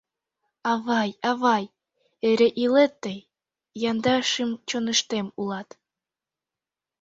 Авай, авай, эре илет тый, Яндар шӱм-чоныштем улат.